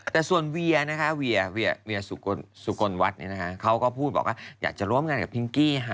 แต่ส่วนเวียสุกลวัดเนี่ยนะคะเขาก็พูดบอกว่าอยากจะร่วมงานกับพิงกี้ค่ะ